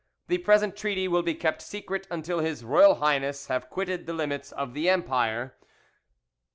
The present treaty will be kept secret until His Royal Highness have quitted the limits of the empire.